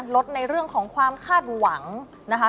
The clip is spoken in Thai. ลดในเรื่องของความคาดหวังนะคะ